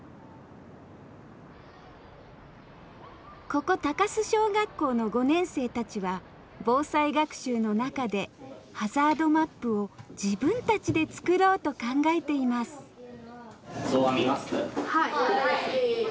ここ高須小学校の５年生たちは防災学習の中でハザードマップを自分たちで作ろうと考えていますはい！